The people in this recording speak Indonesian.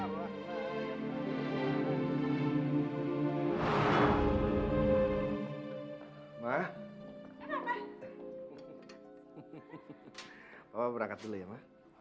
berangkat dulu ya ma